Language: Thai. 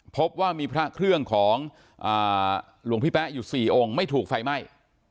พบว่ามีพระเครื่องของหลวงพี่แป๊ะอยู่๔องค์ไม่ถูกไฟไหม้